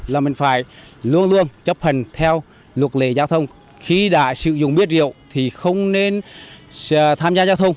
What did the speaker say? là mình phải luôn luôn chấp hành theo luật lệ giao thông khi đã sử dụng bia rượu thì không nên tham gia giao thông